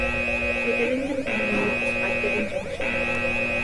Picketing continued despite the injunction.